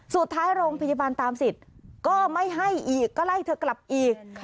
สุดท้ายโรงพยาบาลตามสิทธิ์ก็ไม่ให้อีกก็ไล่เธอกลับอีก